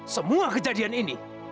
semua kejadian ini